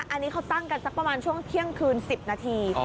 อันนี้เขาตั้งกันสักประมาณช่วงเที่ยงคืน๑๐นาที